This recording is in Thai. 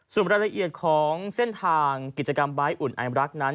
ส่วนรายละเอียดของเส้นทางกิจกรรมใบ้อุ่นไอรักนั้น